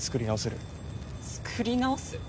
作り直す？